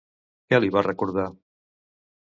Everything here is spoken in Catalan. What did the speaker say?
Què li va recordar?